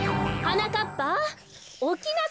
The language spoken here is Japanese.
はなかっぱ！